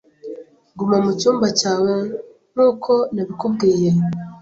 Guma mucyumba cyawe nkuko nabikubwiye.